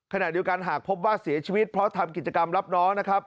ขณะเดียวกันหากพบว่าเสียชีวิตเพราะทำกิจกรรมรับน้องนะครับ